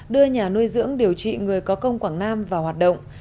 đưa nhà nuôi dưỡng điều trị người có công quảng nam vào hoạt động